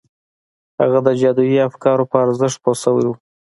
هغه د جادویي افکارو په ارزښت پوه شوی و